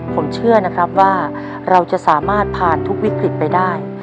ผมเชื่อนะครับว่าเราจะสามารถผ่านทุกวิกฤตไปได้